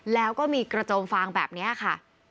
แล้วก็มีกระโจมฟางแบบนี้ค่ะ